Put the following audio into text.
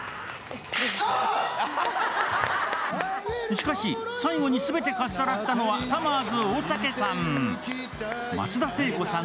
しかし、最後に全てかっさらったのはさまぁず大竹さん。